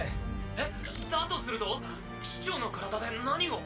えっだとすると市長の体で何を。